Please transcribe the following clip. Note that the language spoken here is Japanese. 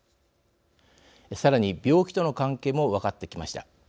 さらに、病気との関係も分かってきました。